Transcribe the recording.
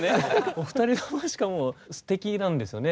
お二人ともしかもすてきなんですよね。